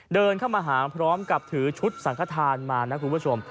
เดินเข้ามาหาพร้อมกับถือชุดสังขทานมานะคุณผู้ชม